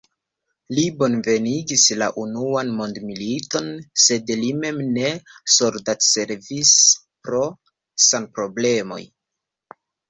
Li bonvenigis la unuan mondmiliton, sed li mem ne soldatservis pro sanproblemoj.